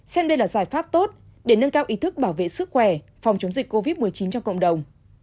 xem đây là giải pháp tốt để nâng cao ý thức bảo vệ sức khỏe phòng chống dịch covid một mươi chín trong cộng đồng